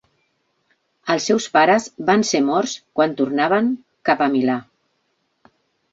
Els seus pares van ser morts quan tornaven cap a Milà.